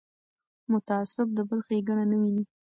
متعصب د بل ښېګڼه نه ویني